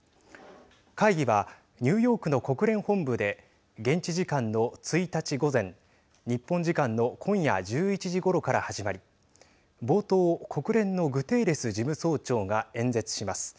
会議はニューヨークの国連本部で現地時間の１日、午前日本時間の今夜１１時ごろから始まり冒頭、国連のグテーレス事務総長が演説します。